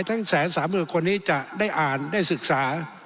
ทั้งแสนสามหมื่นคนนี้จะได้อ่านได้ศึกษา